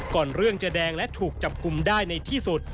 ก่อนเรื่องจะแดงและถูกจับกลุ่มได้ในที่สุด